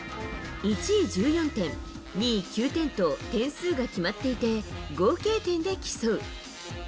１位１４点、２位９点と点数が決まっていて、合計点で競う。